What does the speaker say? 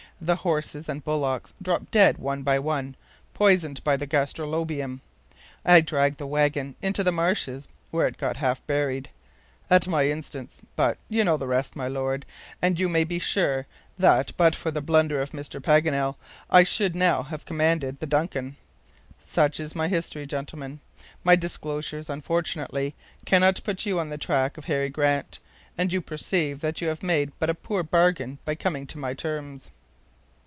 The horses and bullocks dropped dead one by one, poisoned by the gastrolobium. I dragged the wagon into the marshes, where it got half buried. At my instance but you know the rest, my Lord, and you may be sure that but for the blunder of Mr. Paganel, I should now command the DUNCAN. Such is my history, gentlemen. My disclosures, unfortunately, cannot put you on the track of Harry Grant, and you perceive that you have made but a poor bargain by coming to my terms."